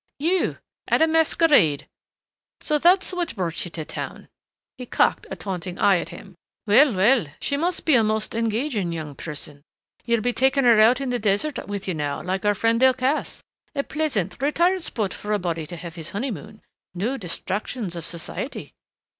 "You at a masquerade!... So that's what brought you to town." He cocked a taunting eye at him. "Well, well, she must be a most engaging young person you'll be taking her out on the desert with you now, like our friend Delcassé a pleasant, retired spot for a body to have his honeymoon ... no distractions of society